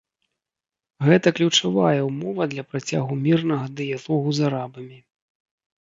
Гэта ключавая ўмова для працягу мірнага дыялогу з арабамі.